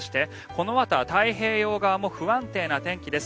このあとは太平洋側も不安定な天気です。